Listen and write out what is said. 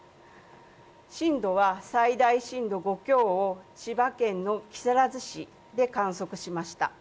震度は最大震度５強を千葉県の木更津市で観測しました。